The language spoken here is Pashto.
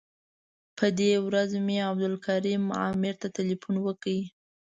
په دې ورځ مې عبدالکریم عامر ته تیلفون وکړ.